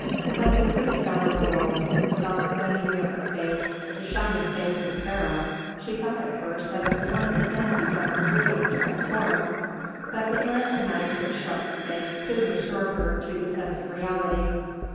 When the priest's daughter awoke, and saw flaming near her face the shining face of the Pharaoh, she thought at first that it was one of the fancies of her dream transformed; but the air of night which struck her face soon restored her to the sense of reality.